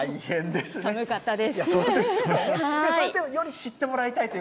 寒かったです。